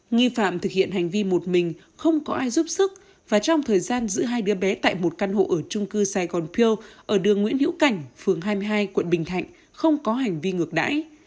nghi phạm thực hiện hành vi một mình không có ai giúp sức và trong thời gian giữ hai đứa bé tại một căn hộ ở trung cư sài gòn peal ở đường nguyễn hữu cảnh phường hai mươi hai quận bình thạnh không có hành vi ngược đãi